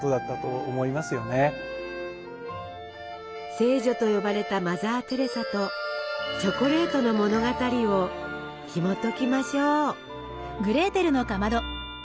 「聖女」と呼ばれたマザー・テレサとチョコレートの物語をひもときましょう。